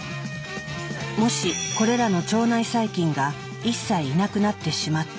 もしこれらの腸内細菌が一切いなくなってしまったら。